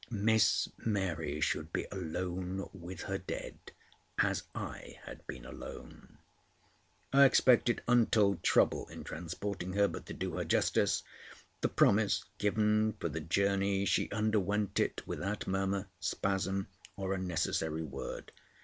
Miss Mary should be alone with her dead, as I had been alone. I expected untold trouble in transporting her, but to do her justice, the promise given for the journey, she underwent it without murmur, spasm, or unnecessary word.